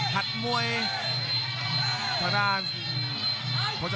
คมทุกลูกจริงครับโอ้โห